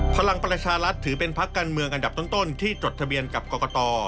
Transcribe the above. พลังประชารัฐถือเป็นพักการเมืองอันดับต้นที่จดทะเบียนกับกรกต